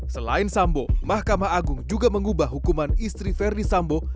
selain sambo mahkamah agung juga mengubah hukuman istri verdi sambo